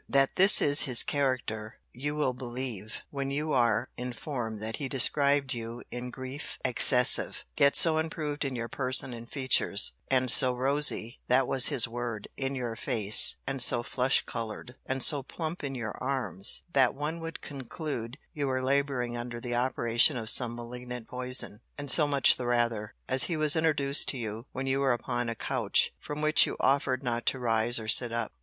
That this is his character, you will believe, when you are informed that he described you in grief excessive,* yet so improved in your person and features, and so rosy, that was his word, in your face, and so flush coloured, and so plump in your arms, that one would conclude you were labouring under the operation of some malignant poison; and so much the rather, as he was introduced to you, when you were upon a couch, from which you offered not to rise, or sit up.